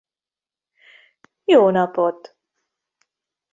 Jó napot.